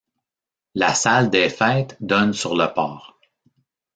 La salle des fêtes donne sur le port.